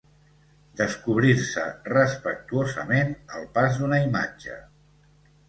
Descobrir-se respectuosament al pas d'una imatge.